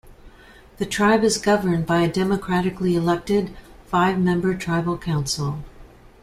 The tribe is governed by a democratically elected, five-member tribal council.